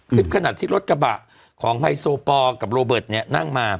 คลิปขนาดที่รถกระบะของไฮโซปอลกับโรเบิร์ตเนี่ยนั่งมา